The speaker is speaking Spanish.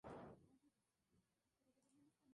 Su padrastro Randy donó un órgano.